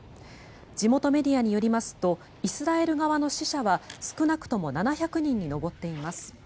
地元メディアによりますとイスラエル側の死者は少なくとも７００人に上っています。